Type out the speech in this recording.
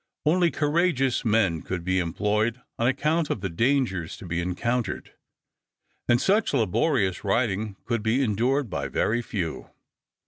Only courageous men could be employed on account of the dangers to be encountered, and such laborious riding could be endured by very few.